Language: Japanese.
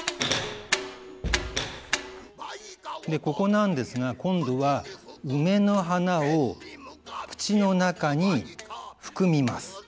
ここなんですが今度は梅の花を口の中に含みます。